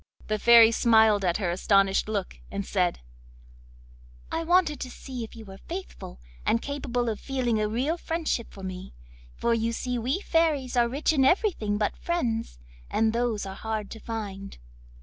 The Fairy smiled at her astonished look, and said: 'I wanted to see if you were faithful and capable of feeling a real friendship for me, for you see we fairies are rich in everything but friends, and those are hard to find.